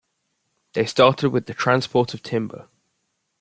They started with the transport of timber.